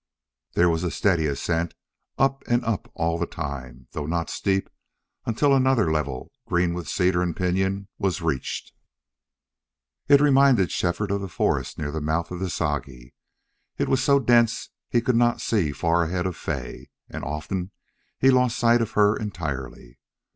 Then there was a steady ascent, up and up all the time, though not steep, until another level, green with cedar and pinyon, was reached. It reminded Shefford of the forest near the mouth of the Sagi. It was so dense he could not see far ahead of Fay, and often he lost sight of her entirely.